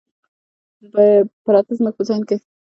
پراتۀ زمونږ پۀ ذهن کښې لفظونه ټول پردي دي